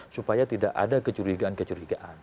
supaya tidak ada kecurigaan kecurigaan